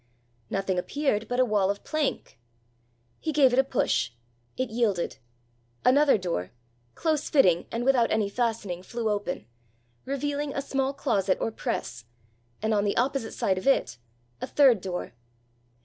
Nothing appeared but a wall of plank! He gave it a push; it yielded: another door, close fitting, and without any fastening, flew open, revealing a small closet or press, and on the opposite side of it a third door.